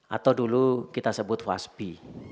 atau dulu kita sebut wasbi